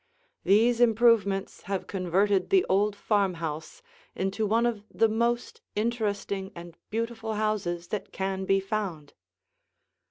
These improvements have converted the old farmhouse into one of the most interesting and beautiful houses that can be found.